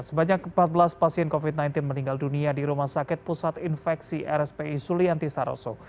sebanyak empat belas pasien covid sembilan belas meninggal dunia di rumah sakit pusat infeksi rspi sulianti saroso